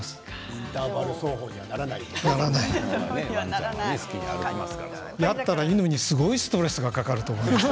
インターバル速歩にはならないということですね。